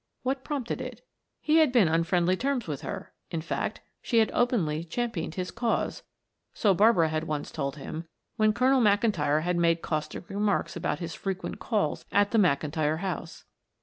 What prompted it? He had been on friendly terms with her; in fact, she had openly championed his cause, so Barbara had once told him, when Colonel McIntyre had made caustic remarks about his frequent calls at the McIntyre house.